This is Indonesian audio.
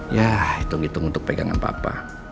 ya hitung hitung untuk pegangan papa